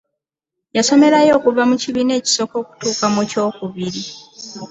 Yasomerayo okuva mu kibiina ekisooka okutuuka mu kyokubiri.